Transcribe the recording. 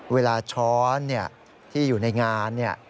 เวลาช้อนที่อยู่ในงานเนี่ย